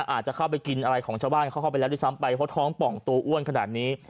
อาจจะเข้าไปกินอะไรของชาวบ้านเขาเข้าไปแล้วด้วยซ้ำไปเพราะท้องป่องตัวอ้วนขนาดนี้